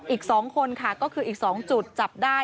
อีก๒คนค่ะก็คืออีก๒จุดจับได้